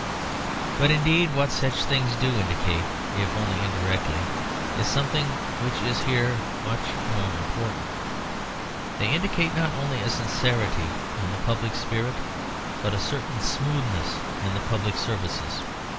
But indeed what such things do indicate, if only indirectly, is something which is here much more important. They indicate not only a sincerity in the public spirit, but a certain smoothness in the public services.